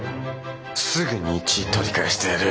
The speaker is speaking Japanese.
すぐに１位取り返してやる。